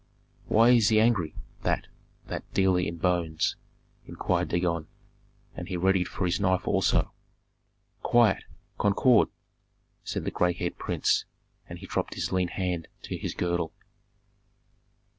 "Why is he angry, that that dealer in bones?" inquired Dagon; and he readied for his knife also. "Quiet! Concord!" said the gray headed prince; and he dropped his lean hand to his girdle.